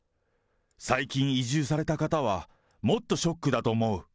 最近、移住された方はもっとショックだと思う。